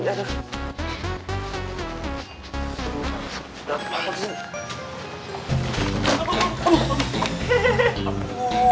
aduh abu abu